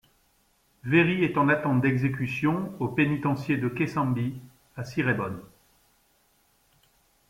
Very est en attente d'exécution au pénitencier de Kesambi à Cirebon.